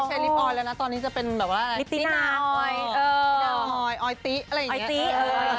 ไม่ใช่ลิปออยแล้วนะตอนนี้จะเป็นแบบว่าลิตินาออยออยตี้อะไรอย่างเงี้ย